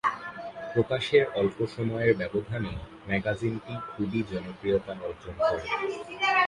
প্রকাশের অল্প সময়ের ব্যবধানে ম্যাগাজিনটি খুবই জনপ্রিয়তা অর্জন করে।